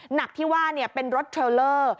หนักที่ว่าเป็นรถเทรลเลอร์